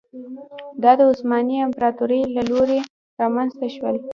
دا د عثماني امپراتورۍ له لوري رامنځته شول.